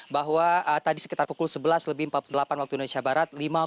bahwa tadi sekitar pukul sebelas lebih empat puluh delapan waktu indonesia barat